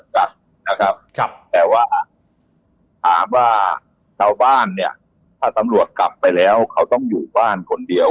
แต่ว่าขอบว่าชาวบ้านเนี่ยเมื่อสัมรวจกลับไปแล้วเค้าต้องอยู่บ้านคนเดียว